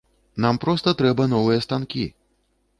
Нам проста трэба новыя станкі!